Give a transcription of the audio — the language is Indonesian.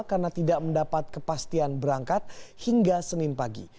karena tidak mendapat kepastian berangkat hingga senin pagi